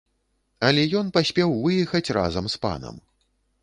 Але ён паспеў выехаць разам з панам.